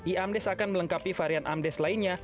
eamdes akan melengkapi varian amdes lainnya